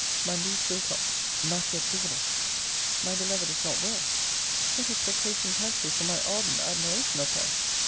MONDAY, TWO O'CLOCK. Not yet visible! My beloved is not well. What expectations had she from my ardent admiration of her!